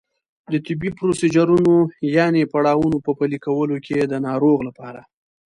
د طبي پروسیجرونو یانې پړاوونو په پلي کولو کې د ناروغ لپاره